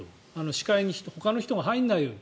視界にほかの人が入らないように。